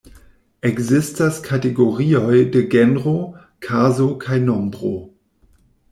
Ekzistas kategorioj de genro, kazo kaj nombro.